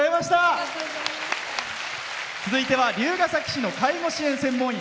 続いては龍ケ崎市の介護支援専門員。